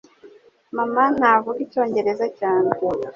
Mama ntavuga Icyongereza cyane